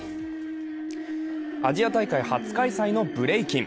アジア大会初開催のブレイキン。